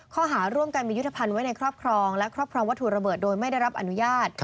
ข้อหาร่วมกันมียุทธภัณฑ์ไว้ในครอบครองและครอบครองวัตถุระเบิดโดยไม่ได้รับอนุญาต